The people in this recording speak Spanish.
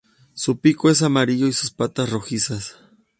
Su pico es amarillo y sus patas rojizas.